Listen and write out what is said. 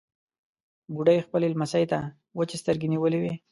بوډۍ خپلې لمسۍ ته وچې سترګې نيولې وې.